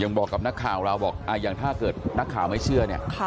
อย่างบอกกับนักข่าวของเราอย่างถ้าเกิดนักข่าวไม่เชื่อ